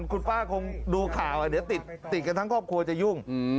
คุณป้าคงดูข่าวเดี๋ยวติดกันทั้งครอบครัวจะยุ่ง